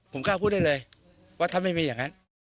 ผมกล้าพูดได้เลยว่าถ้าไม่มีอย่างนั้น